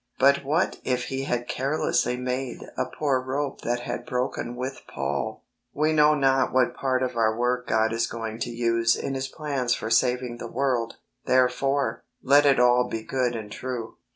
But what if he had carelessly made a poor rope that had broken with Paul ! We know not what part of our work God is going to use in His plans for saving the world ; therefore, let it all be good and true.